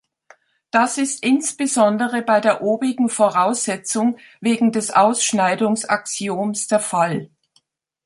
Das ist insbesondere bei der obigen Voraussetzung wegen des Ausschneidungs-Axioms der Fall.